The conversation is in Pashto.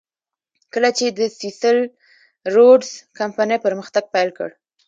کله چې د سیسل روډز کمپنۍ پرمختګ پیل کړ.